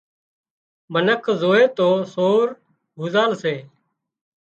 منک زووي تو سور هوزال سي